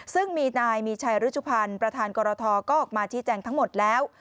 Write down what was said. ซึ่งมีนายมีชัยรุชุพันธ์ประธานกรทก็ออกมาชี้แจงทั้งหมดแล้ว